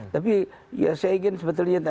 tapi ya saya ingin sebetulnya